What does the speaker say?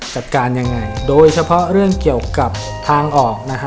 จัดการยังไงโดยเฉพาะเรื่องเกี่ยวกับทางออกนะฮะ